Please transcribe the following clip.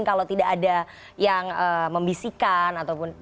kalau tidak ada yang membisikkan ataupun